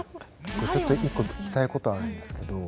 ちょっと一個聞きたいことあるんですけど。